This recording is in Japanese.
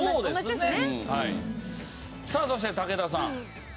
さあそして武田さん。